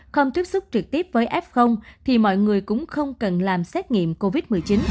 không tiếp xúc trực tiếp với f thì mọi người cũng không cần làm xét nghiệm covid một mươi chín